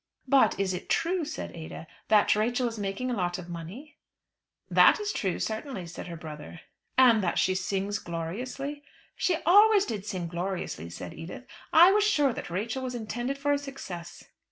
"But is it true," said Ada, "that Rachel is making a lot of money?" "That is true, certainly," said her brother. "And that she sings gloriously?" "She always did sing gloriously," said Edith. "I was sure that Rachel was intended for a success."